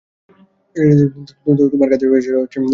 তোমার কাঁধের ঐ আঁচলের উপর পরিয়ে দেব?